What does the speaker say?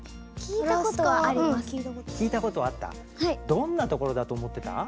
どんな所だと思ってた？